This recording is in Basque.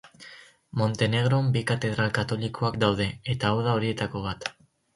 Montenegron bi katedral katolikoak daude eta hau da horietako bat.